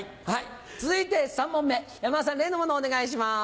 続いて３問目山田さん例のものお願いします。